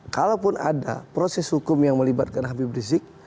kalaupun ada proses hukum yang melibatkan habib rizik